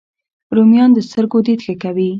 رومیان د سترګو دید ښه کوي